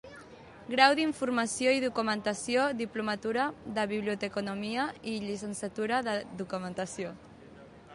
Grau d'Informació i Documentació, diplomatura de Biblioteconomia i llicenciatura de Documentació.